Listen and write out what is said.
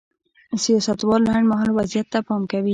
سیاستوال لنډ مهال وضعیت ته پام کوي.